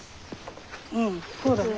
うんそうだね。